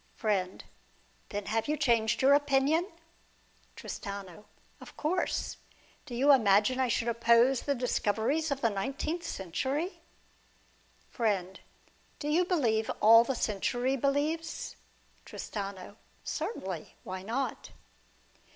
. Friend. Then have you changed your opinion ? Tristano. Of course. Do you imagine I should oppose the discoveries of the nineteenth century ? Friend. Do you believe all the century believes ? Tristano. Certainly. Why not